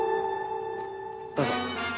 どうぞ。